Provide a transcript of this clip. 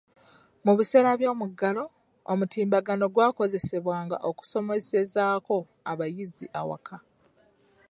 Mu biseera by'omuggalo, omutimbagano gwakozesebwanga okusomesezaako abayizi awaka.